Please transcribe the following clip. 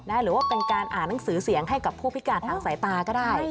หรือว่าเป็นการอ่านหนังสือเสียงให้กับผู้พิการทางสายตาก็ได้